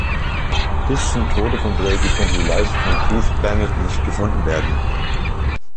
Bis zum Tode von Brady konnte die Leiche von Keith Bennett nicht gefunden werden.